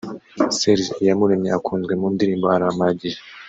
Serge Iyamuremye ukunzwe mu ndirimbo Arampagije